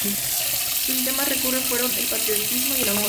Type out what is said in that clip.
Sus temas recurrentes fueron el patriotismo y el amor.